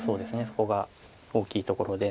そこが大きいところで。